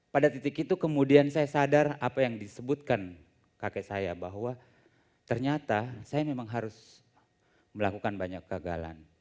pada titik itu kemudian saya sadar apa yang disebutkan kakek saya bahwa ternyata saya memang harus melakukan banyak kegagalan